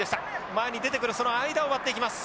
前に出てくるその間を割っていきます。